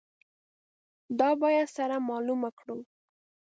دا باید سره معلومه کړو.